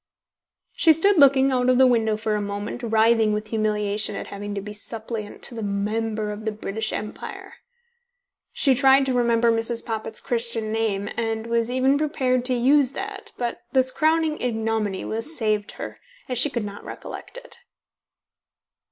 She stood looking out of the window for a moment, writhing with humiliation at having to be suppliant to the Member of the British Empire. She tried to remember Mrs. Poppit's Christian name, and was even prepared to use that, but this crowning ignominy was saved her, as she could not recollect it.